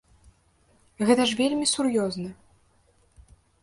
Гэта ж вельмі сур'ёзна.